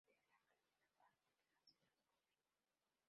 Es la primera arma que ha sido descubierta.